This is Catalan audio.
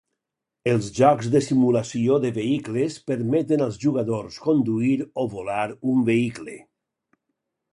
Els jocs de simulació de vehicles permeten als jugadors conduir o volar un vehicle.